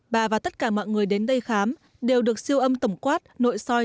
bà và tất cả mọi người đến đây khám đều được siêu âm tổng quát nội soi